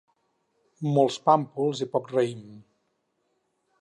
Molts pàmpols i poc raïm.